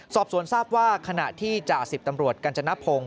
สอบสวนทราบว่าขณะที่จ่าสิบตำรวจกัญจนพงศ